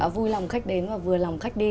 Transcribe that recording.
vui lòng khách đến và vừa lòng khách đi